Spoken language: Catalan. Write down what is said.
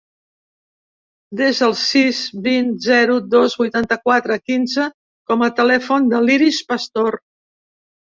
Desa el sis, vint, zero, dos, vuitanta-quatre, quinze com a telèfon de l'Iris Pastor.